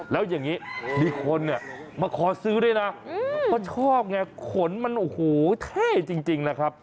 แล้วอย่างนี้มีคนเนี่ยมาขอซื้อด้วยนะเขาชอบไงขนมันโอ้โหเท่จริงนะครับ